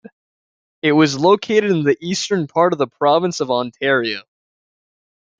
It was located in the eastern part of the province of Ontario.